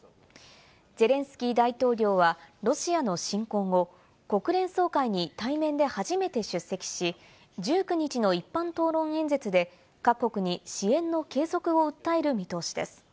ゼレンスキー大統領はロシアの侵攻後、国連総会に対面で初めて出席し、１９日の一般討論演説で、各国に支援の継続を訴える見通しです。